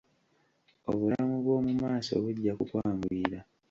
Obulamu bwo mu maaso bujja kukwanguyira.